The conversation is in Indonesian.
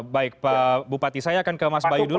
baik pak bupati saya akan ke mas bayu dulu